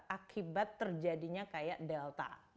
akibat terjadinya kayak delta